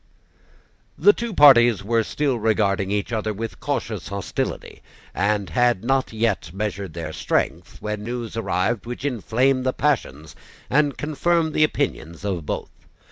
The two parties were still regarding each other with cautious hostility, and had not yet measured their strength, when news arrived which inflamed the passions and confirmed the opinions of both.